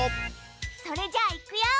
それじゃあいくよ。